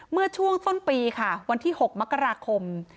เมื่อช่วงต้นปีค่ะวันที่๖มกราคม